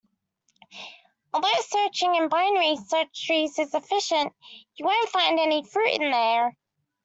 Although searching in binary search trees is efficient, you won't find any fruit in there.